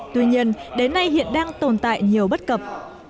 tuy nhiên đến nay hiện đang tồn tại nhiều bất cập